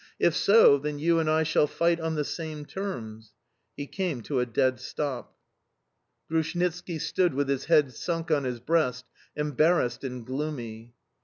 "If so, then you and I shall fight on the same terms"... He came to a dead stop. Grushnitski stood with his head sunk on his breast, embarrassed and gloomy.